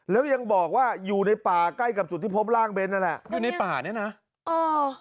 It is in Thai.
แล้วยังบอกว่าอยู่ในป่าใกล้กับจุดที่พบร่างเน้นนั่นแหละอยู่ในป่าเนี่ยนะเออ